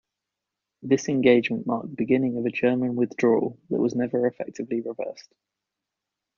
This engagement marked the beginning of a German withdrawal that was never effectively reversed.